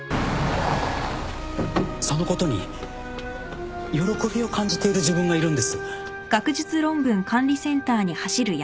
そのことに喜びを感じている自分がいるんです